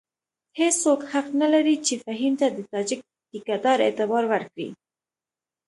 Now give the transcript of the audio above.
هېڅوک حق نه لري چې فهیم ته د تاجک ټیکه دار اعتبار ورکړي.